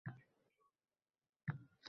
Unut bulgan zotlar shu tilda so’ylar…